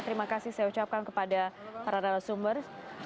terima kasih saya ucapkan kepada para rada sumber